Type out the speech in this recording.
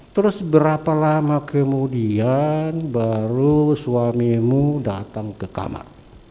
terus berapa lama kemudian baru suamimu datang ke kamar